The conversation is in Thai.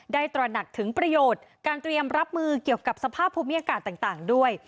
ตระหนักถึงประโยชน์การเตรียมรับมือเกี่ยวกับสภาพภูมิอากาศต่างด้วย